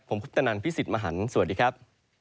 ผมพุทธนันพี่สิทธิ์มหันฯสวัสดีครับ